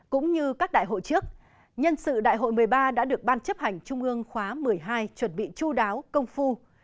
cũng như các đại hội trước nhân sự đại hội một mươi ba đã được ban chấp hành trung ương khóa một mươi hai chuẩn bị chú đáo công phu